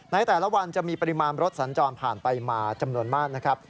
ในแต่ละวันจะมีปริมาณรถสัญจรผ่านไปมาจำนวนมากนะครับ